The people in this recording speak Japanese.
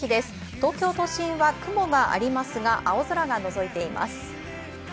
東京都心は雲がありますが青空がのぞいています。